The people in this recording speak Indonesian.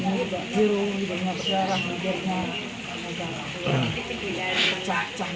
ya lebih umumnya seperti pak menteri perhubungan tadi bilang